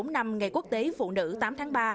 một trăm một mươi bốn năm ngày quốc tế phụ nữ tám tháng ba